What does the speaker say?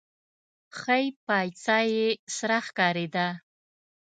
ښۍ پايڅه يې سره ښکارېده.